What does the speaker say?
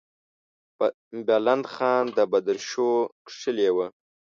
بلند خان د بدرشو کښلې وه.